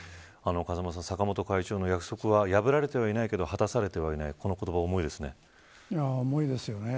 風間さん、坂本会長の約束は破られてはいないけれど果たされてはいない。